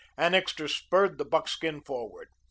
Annixter spurred the buck skin forward.